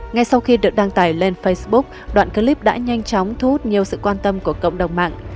ngay sau khi được đăng tải lên facebook đoạn clip đã nhanh chóng thu hút nhiều sự quan tâm của cộng đồng mạng